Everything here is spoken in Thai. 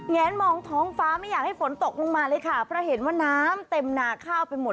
แนนมองท้องฟ้าไม่อยากให้ฝนตกลงมาเลยค่ะเพราะเห็นว่าน้ำเต็มนาข้าวไปหมด